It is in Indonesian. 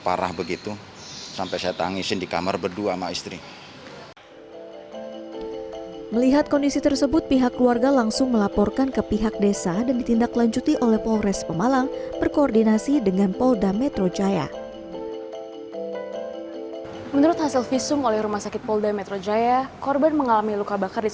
orang tua korban mengatakan tidak menyangka